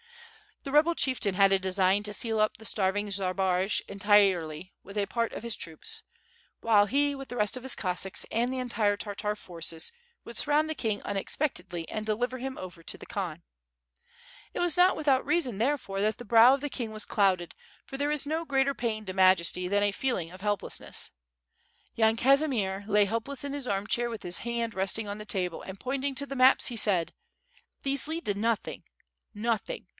The rebel chieftain had a design to seal up the starving Zbaraj entirely with a part of his troops, while he with the rest of his Cossacks, and the entire Tartar forces, would sur round the king unexpectedly and deliver him over to the Khan. It was not without reason therefore that the brow of the king was clouded, for there is no greater pain to majesty than a feeling of helplessness. Yan Kazimier lay helpless in his armchair with his hand resting on the table and point ing to the maps, he said: "These lead to nothing, nothing!